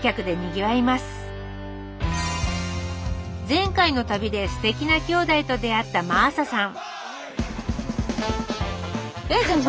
前回の旅ですてきなきょうだいと出会った真麻さん。